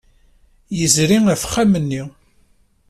Yezri ɣef uxxam-nni.